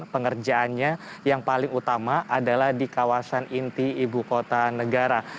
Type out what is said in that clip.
pengerjaannya yang paling utama adalah di kawasan inti ibu kota negara